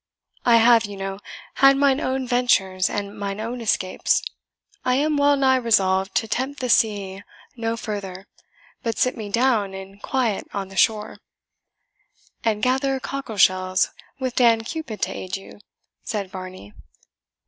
I have, you know, had mine own ventures and mine own escapes. I am well nigh resolved to tempt the sea no further, but sit me down in quiet on the shore." "And gather cockle shells, with Dan Cupid to aid you," said Varney.